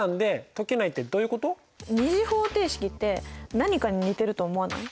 ２次方程式って何かに似てると思わない？